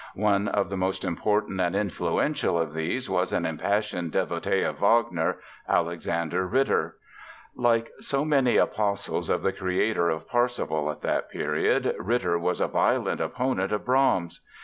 One of the most important and influential of these was an impassioned devotee of Wagner, Alexander Ritter. Like so many apostles of the creator of Parsifal at that period, Ritter was a violent opponent of Brahms.